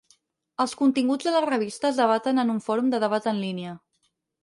Els continguts de la revista es debaten en un fòrum de debat en línia.